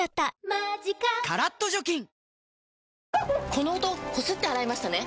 この音こすって洗いましたね？